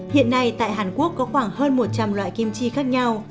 hiện nay tại hàn quốc có khoảng hơn một trăm linh loại kim chi khác nhau